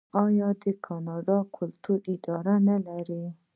آیا کاناډا د کلتور اداره نلري؟